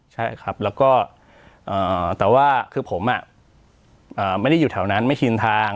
ใช่ครับแล้วก็แต่ว่าคือผมไม่ได้อยู่แถวนั้นไม่ชินทาง